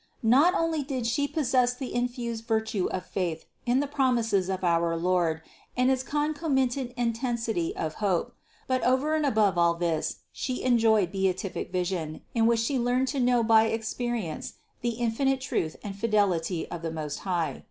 Not only did She pos sess the infused virtue of faith in the promises of our Lord and its concomitant intensity of hope ; but over and above all this She enjoyed beatific vision, in which She learnt to know by experience the infinite truth and fidelity of the Most High.